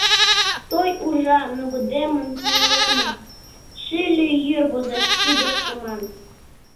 Той уржа нугыдемын нелемын, Шӱльӧ йӱр возеш кидыш шыман.